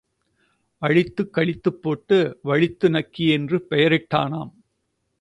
அழித்துக் கழித்துப் போட்டு வழித்து நக்கி என்று பெயர் இட்டானாம்!